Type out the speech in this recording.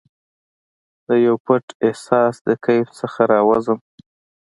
دیو پټ احساس د کیف څخه راوزم